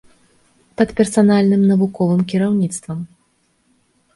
Пад персанальным навуковым кіраўніцтвам!